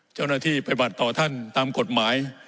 เจ้าหน้าที่ไปบัตรต่อท่านตามกฎหมาย